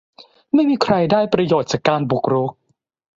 ไม่มีใครได้ประโยชน์จากการบุกรุก